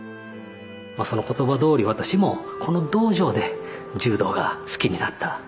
その言葉どおり私もこの道場で柔道が好きになった。